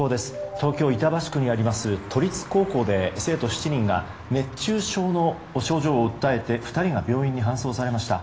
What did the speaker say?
東京・板橋区にあります都立高校で生徒７人が熱中症の症状を訴えて２人が病院に搬送されました。